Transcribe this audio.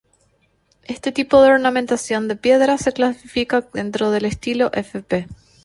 Este tipo de ornamentación de piedra se clasifica dentro del estilo Fp.